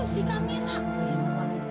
saya ingin menjunjungi waktu ke empat